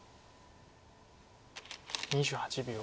２８秒。